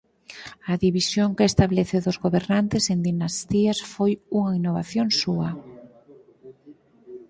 A división que establece dos gobernantes en dinastías foi unha innovación súa.